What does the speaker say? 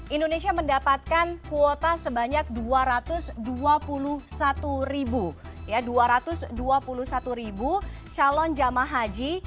indonesia mendapatkan kuota sebanyak dua ratus dua puluh satu ribu calon jamaah haji